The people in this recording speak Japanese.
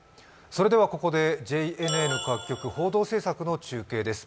それではここでＪＮＮ各局、報道の中継です。